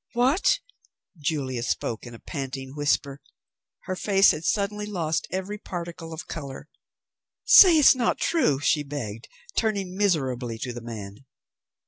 "What!" Julia spoke in a panting whisper. Her face had suddenly lost every particle of colour. "Say it's not true," she begged, turning miserably to the man.